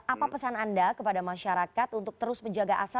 apa pesan anda kepada masyarakat untuk terus menjaga asap